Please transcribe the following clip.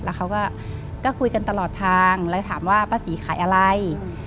แล้วเขาก็คุยกันตลอดทางแล้วถามว่าป้าศรีขายอะไร